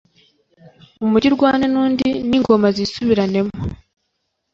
umugi urwane n’undi, n’ingoma zisubiranemo.